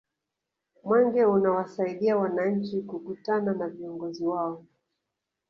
mwenge unawasaidia wananchi kukutana na viongozi wao